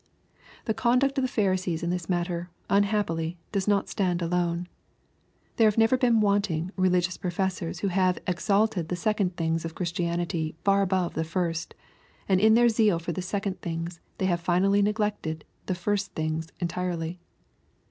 The conduct of the Pharisees in this matter, unhappily, does not stand alone. There have never been wanting religious professors who have exalted the second things of Christianity far above the first, and in their zeal for the second things have finally neglected the first things entirely.